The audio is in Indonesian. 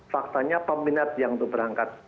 faktanya peminat yang berangkat